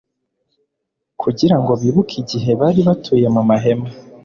Kugira ngo bibuke igihe bari batuye mu mahema,